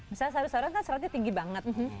misalnya sarut sarut kan seratnya tinggi banget